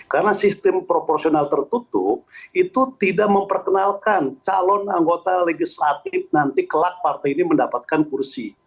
karena sistem proporsional tertutup itu tidak memperkenalkan calon anggota legislatif nanti kelak partai ini mendapatkan kursi